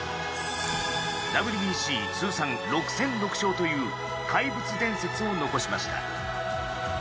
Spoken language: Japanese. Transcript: ＷＢＣ通算６戦６勝という怪物伝説を残しました。